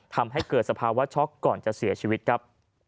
ทำให้เกิดสภาวะช็อกก่อนจะเสียชีวิตครับ